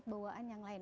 ada kebawaan yang lain